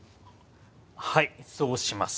はいそうします。